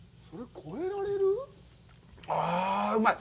ああ、うまい。